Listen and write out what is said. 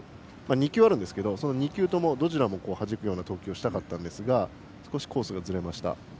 ２球あるんですけど２球ともどちらもはじく投球をしたかったんですが少しコースがずれました。